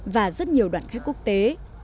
và rất nhiều đoàn khách quốc tế